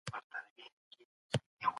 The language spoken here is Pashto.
علمي څیړنې د نوښت او اقتصادي ودي اساس دی.